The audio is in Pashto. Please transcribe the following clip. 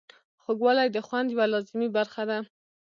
خوږوالی د خوند یوه لازمي برخه ده.